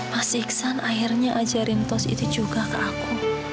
mas iksan akhirnya ajarin tos itu juga ke aku